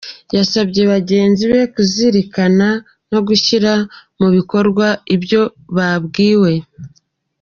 Yasabye bagenzi be kuzirikana no gushyira mu bikorwa ibyo babwiwe.